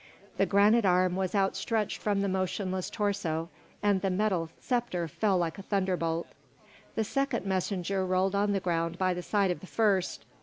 The granite arm was outstretched from the motionless torso, and the metal sceptre fell like a thunderbolt. The second messenger rolled on the ground by the side of the first.